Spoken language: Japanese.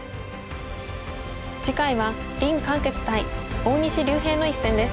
次回は林漢傑対大西竜平の一戦です。